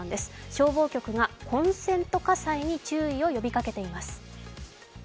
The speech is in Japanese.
消防局がコンセント火災に注意を呼びかけています。